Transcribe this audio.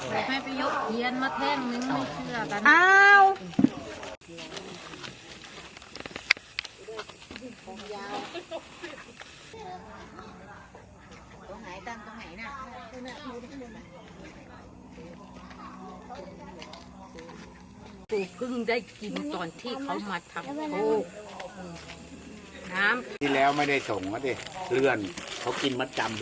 พึ่งได้กินตอนที่เขามาทำโชว์น้ำที่แล้วไม่ได้ส่งมาได้เลื่อนเขากิน